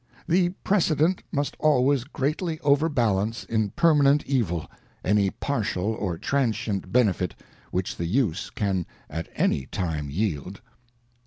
ŌĆö The precedent must always greatly overbalance in permanent evil any partial or transient benefit which the use can at any time yield.